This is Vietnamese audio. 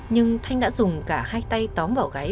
nhưng thanh đã dùng cả hai tay tóm vào gáy